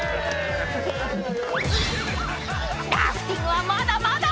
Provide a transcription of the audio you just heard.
［ラフティングはまだまだ］